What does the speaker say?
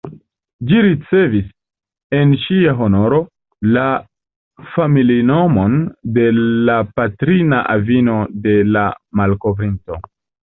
Ĝi ricevis, en ŝia honoro, la familinomon de la patrina avino de la malkovrinto.